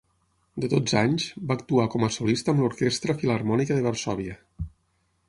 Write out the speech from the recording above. De dotze anys, va actuar com a solista amb l'Orquestra Filharmònica de Varsòvia.